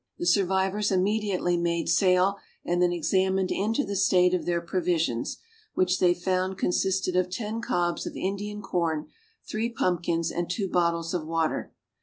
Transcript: The survivors immediately made sail, and then examined into the state of their provisions, which they found consisted of ten cobs of Indian corn, three pumpkins, and two bottles of water.